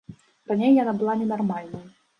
Раней яна была ненармальнай.